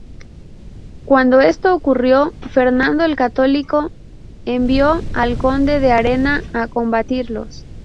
Cuando esto ocurrió, Fernando el Católico envió al conde de Arena a combatirlos.